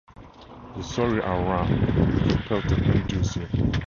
The sori are round, with a peltate indusium.